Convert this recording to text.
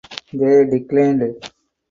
They declined.